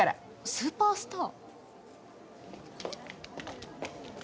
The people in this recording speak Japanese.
スーパースター？